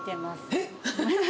えっ？